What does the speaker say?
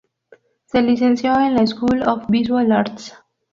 Se licenció en la School of Visual Arts.